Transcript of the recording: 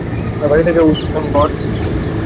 তার বাড়িতে যাওয়া উচিত হয়নি, বস।